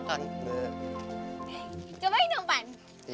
hei coba ini om pan